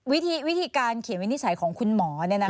วิธีการเขียนวินิจฉัยของคุณหมอ